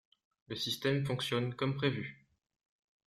Le système fonctionne comme prévu.